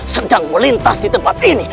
sedang melintas di tempat ini